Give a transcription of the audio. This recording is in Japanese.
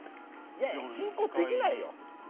いやいや、進行できないよ。